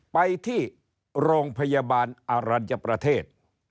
ไปที่โรงพยาบาลอรัญญประเทศ